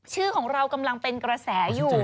ชื่อของเรากำลังเป็นกระแสอยู่